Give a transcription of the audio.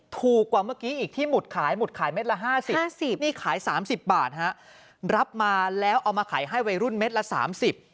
ถูกกว่าเมื่อกี้อีกที่หมุดขายหมุดขายเม็ดละ๕๐